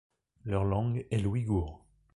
Leur langue est l'ouïghour.